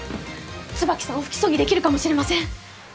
椿さんを不起訴にできるかもしれません！